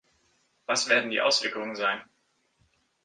Was werden die Auswirkungen sein?